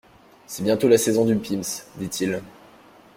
C'est bientôt la saison du Pims, dit-il.